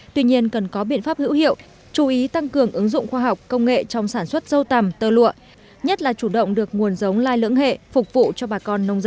tuy nhiên cần có biện pháp hữu hiệu chú ý tăng cường ứng dụng khoa học công nghệ trong sản xuất dâu tầm tơ lụa nhất là chủ động được nguồn giống lai lưỡng hệ phục vụ cho bà con nông dân